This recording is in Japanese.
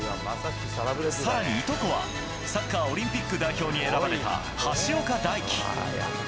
更にいとこはサッカーオリンピック代表に選ばれた橋岡大樹。